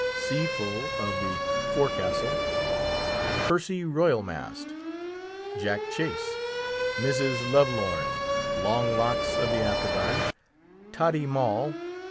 Seafull, of the Forecastle. PERCY ROYAL MAST .... JACK CHASE. Mrs. Lovelorn ..... Long locks, of the After Guard. Toddy Moll